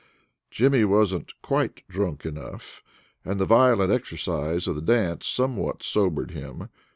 Jimmy wasn't quite drunk enough, and the violent exercise of the dance somewhat sobered him.